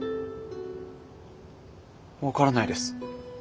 分からないです。